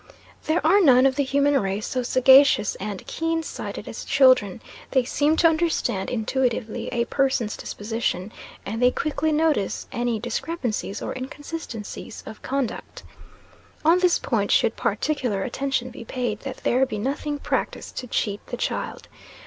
There are none of the human race so sagacious and keensighted as children: they seem to understand intuitively a person's disposition, and they quickly notice any discrepancies or inconsistencies of conduct. On this point should particular attention be paid, that there be nothing practised to cheat the child.